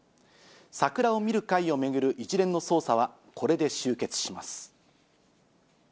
桜を見る会を巡る一連の捜査はこれで終結します。